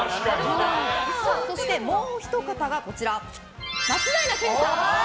そして、もう一方が松平健さん。